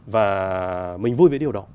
và mình vui với điều đó